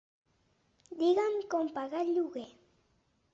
Digue'm com pagar el lloguer.